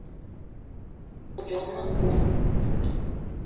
Djock ma pom